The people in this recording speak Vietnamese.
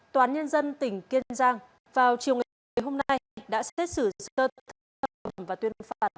toán nhân dân tỉnh kiên giang vào chiều ngày hôm nay đã xét xử sự thất vọng và tuyên pháp